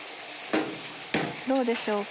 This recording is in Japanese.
どうでしょうか？